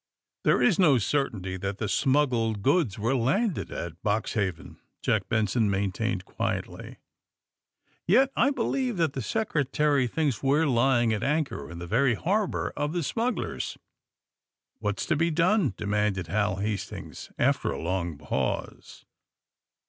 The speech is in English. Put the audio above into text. ^^ There is no certainty that the smuggled goods were landed at Boxhaven," Jack Benson maintained quietly. *^Yet I believe that the Secretary thinks we^re lying at anchor in the very harbor of the smugglers." '* What's to be done?" demanded Hal Hast ings, after a long pause.